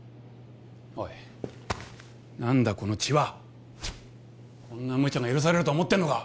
おい何だこの血はこんなむちゃが許されると思ってんのか？